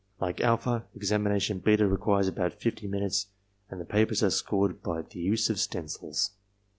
Like alpha, examination beta requires about fifty minutes and the papers are scored by the use of stencils.